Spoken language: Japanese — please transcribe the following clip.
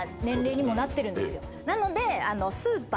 なので。